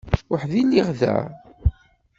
Weḥd-i i lliɣ da?